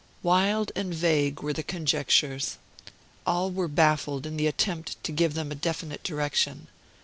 Wild and vague were the conjectures. All were baffled in the attempt to give them a definite direction.